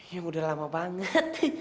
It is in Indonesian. yang udah lama banget